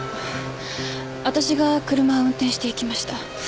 わたしが車を運転していきました。